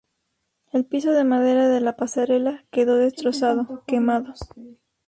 El piso de madera de la pasarela quedó destrozado, quemado.